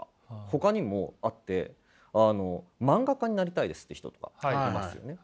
ほかにもあってあの漫画家になりたいですって人とかいますよね。